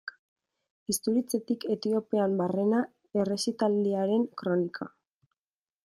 Isturitzetik Etiopian barrena errezitaldiaren kronika.